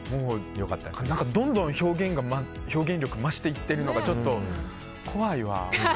どんどん表現力増していってるのがちょっと怖いわ。